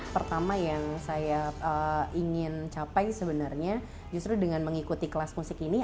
pertama yang saya ingin capai sebenarnya justru dengan mengikuti kelas musik ini